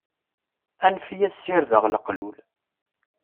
Anef-iyi ad sirdeɣ leqlul.